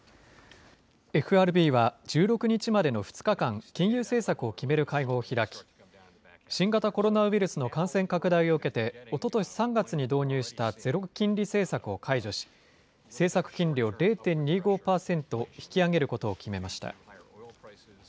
ＦＲＢは１６日までの２日間、金融政策を決める会合を開き、新型コロナウイルスの感染拡大を受けて、おととし３月に導入したゼロ金利政策を解除し、政策金利を０．２５％引き上げることを決めました。